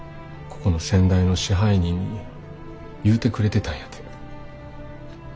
ここの先代の支配人に言うてくれてたんやて。